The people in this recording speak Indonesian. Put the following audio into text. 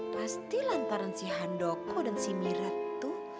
pasti lantaran si handoko dan si mira tuh